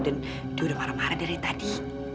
dan dia udah marah marah dari tadi